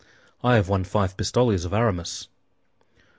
"I have won five pistoles of Aramis."